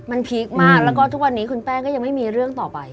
มันพีคมากแล้วก็ทุกวันนี้คุณแป้งก็ยังไม่มีเรื่องต่อไป